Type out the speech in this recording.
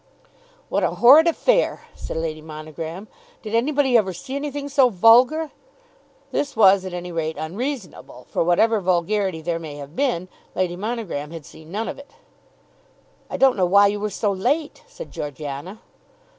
"What a horrid affair!" said Lady Monogram. "Did anybody ever see anything so vulgar?" This was at any rate unreasonable, for whatever vulgarity there may have been, Lady Monogram had seen none of it. "I don't know why you were so late," said Georgiana.